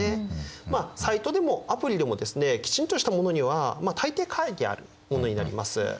サイトでもアプリでもですねきちんとしたものには大抵書いてあるものになります。